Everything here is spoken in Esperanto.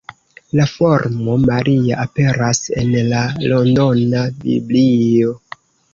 La formo Maria aperas en la Londona Biblio.